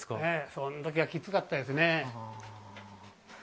そのときは、きつかったです。